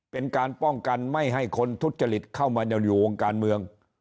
เป็นการป้องกันไม่ให้คนทุจริตเข้ามายังอยู่วงการเมือง